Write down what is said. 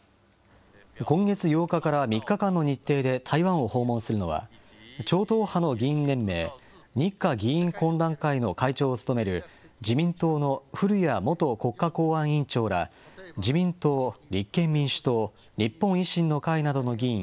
今月８日から３日間の日程で台湾を訪問するのは、超党派の議員連盟、日華議員懇談会の会長を務める、自民党の古屋元国家公安委員長ら、自民党、立憲民主党、日本維新の会などの議員